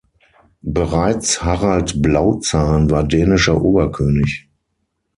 Bereits Harald Blauzahn war dänischer Oberkönig.